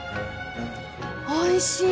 おいしい。